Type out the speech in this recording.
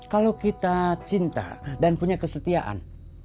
kalau kita cinta dan punya kesetiaan